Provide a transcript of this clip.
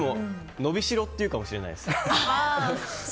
伸びしろって言うかもしれないです。